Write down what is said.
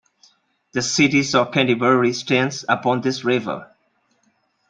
The city of Canterbury stands upon this river.